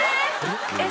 えっ！